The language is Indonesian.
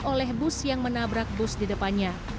oleh bus yang menabrak bus di depannya